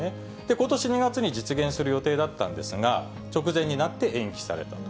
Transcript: ことし２月に実現する予定だったんですが、直前になって延期されたと。